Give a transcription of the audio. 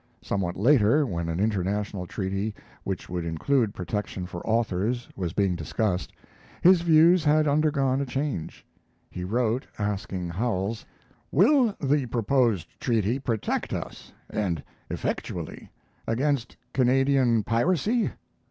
Somewhat later, when an international treaty which would include protection for authors was being discussed, his views had undergone a change. He wrote, asking Howells: Will the proposed treaty protect us (and effectually) against Canadian piracy?